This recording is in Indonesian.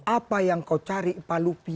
apa yang kau cari pak lupi